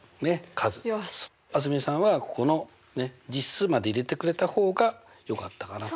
蒼澄さんはここの実数まで入れてくれた方がよかったかな。